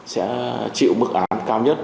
sẽ chịu bức án cao nhất